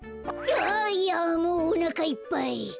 あいやもうおなかいっぱい。